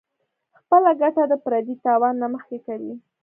خپله ګټه د پردي تاوان نه مخکې کوي -